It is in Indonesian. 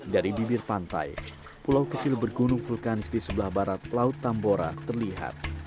dari bibir pantai pulau kecil bergunung vulkanis di sebelah barat laut tambora terlihat